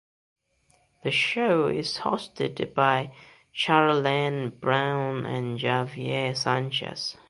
The show is hosted by Charlene Brown and Javier Sanchez.